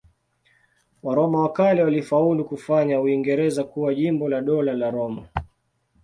Waroma wa kale walifaulu kufanya Uingereza kuwa jimbo la Dola la Roma.